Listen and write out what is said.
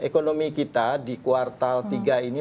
ekonomi kita di kuartal tiga ini